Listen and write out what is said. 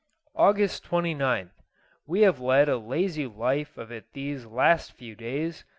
August 29th. We have led a lazy life of it these last few days.